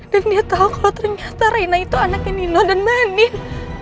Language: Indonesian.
dan dia tau kalau ternyata reina itu anaknya nino dan mbak andin